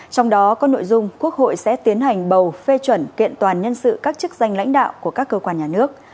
trong đó có nội dung quốc hội sẽ tiến hành bầu phê chuẩn kiện toàn nhân sự các chức danh lãnh đạo của các cơ quan nhà nước